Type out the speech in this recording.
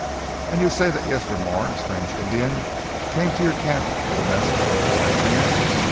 "And you say that yester morning a strange Indian came to your camp with a message from a white man?"